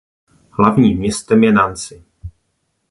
Hlavním městem je Nancy.